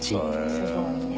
すごいね。